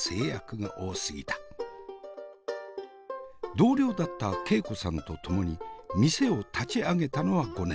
同僚だった慶子さんと共に店を立ち上げたのは５年前。